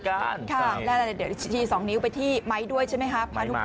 ค่ะและนั่นเดียวทีสองนิ้วไปที่ไหม้ด้วยใช่ไหมคะไหม้มา